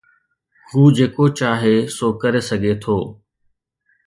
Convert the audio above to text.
هو جيڪو چاهي سو ڪري سگهي ٿو.